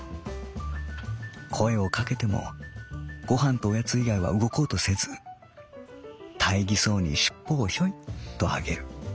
「声をかけてもごはんとおやつ以外は動こうとせず大儀そうにしっぽをひょいとあげる」。